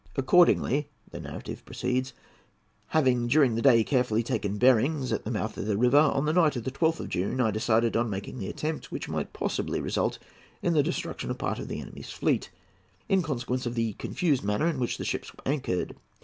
"Accordingly," the narrative proceeds, "having during the day carefully taken bearings at the mouth of the river, on the night of the 12th of June, I decided on making the attempt, which might possibly result in the destruction of part of the enemy's fleet, in consequence of the confused manner in which the ships were anchored.